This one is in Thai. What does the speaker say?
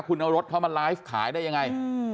คุณเอารถเขามาไลฟ์ขายได้ยังไง